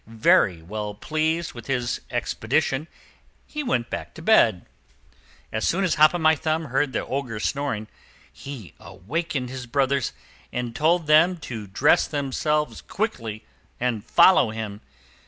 Very well pleased with his expedition, he went back to bed. As soon as Hop o' My Thumb heard the Ogre snoring, he awakened his brothers, and told them to dress themselves quickly and follow him.